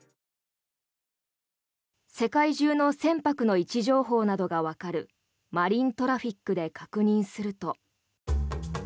世界中の船舶の位置情報などがわかるマリントラフィックで確認すると。